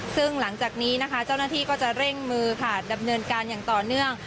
ซึ่งหลังจากนี้นะคะเจ้าหน้าที่ก็จะเร่งมือค่ะดำเนินการอย่างต่อเนื่อง